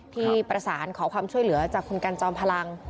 ที่ประสานขอความช่วยเหลือจากคุณกันจอมพลัง